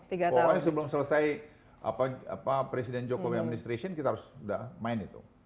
pokoknya sebelum selesai presiden jokowi administration kita harus sudah main itu